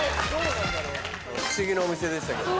不思議なお店でしたけど。